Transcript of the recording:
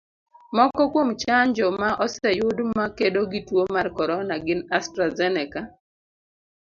Moko kuom chanjo ma oseyud ma kedo gi tuo mar corona gin Astrazeneca,